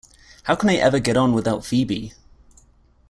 How can I ever get on without Phebe?